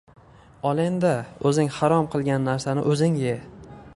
– Ol endi, o‘zing harom qilgan narsani o‘zing ye!